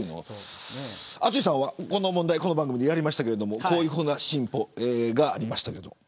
淳さんはこの問題この番組でやりましたがこういう進歩がありました。